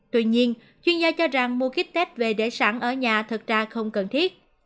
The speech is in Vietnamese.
tuy nhiên chuyên gia cho rằng mua kích tết về để sẵn ở nhà thật ra không cần thiết